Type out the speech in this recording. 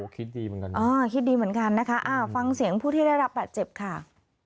คิดดีเหมือนกันนะคิดดีเหมือนกันนะคะฟังเสียงผู้ที่ได้รับบาดเจ็บค่ะ